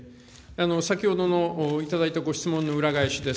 先ほどの頂いたご質問の裏返しです。